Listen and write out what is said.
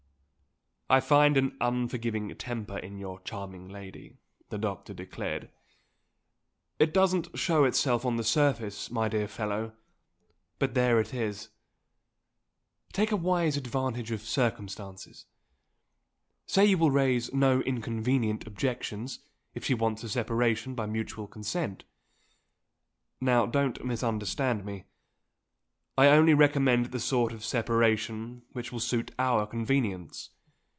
"I find an unforgiving temper in your charming lady," the doctor declared. "It doesn't show itself on the surface, my dear fellow, but there it is. Take a wise advantage of circumstances say you will raise no inconvenient objections, if she wants a separation by mutual consent. Now don't misunderstand me. I only recommend the sort of separation which will suit our convenience.